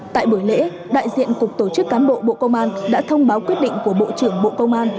tại buổi lễ đại diện cục tổ chức cán bộ bộ công an đã thông báo quyết định của bộ trưởng bộ công an